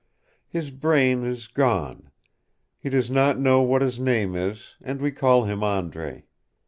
His brain is gone. He does not know what his name is, and we call him Andre.